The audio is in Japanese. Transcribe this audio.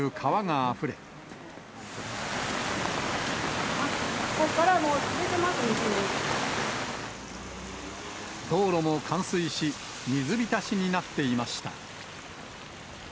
あっ、ここからもう続いてま道路も冠水し、水浸しになっていました。